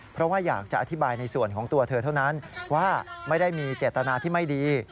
เพราะว่าอยากจะอธิบายในส่วนของตัวเธอเท่านั้นว่าไม่ได้มีเจตนาที่ไม่ดี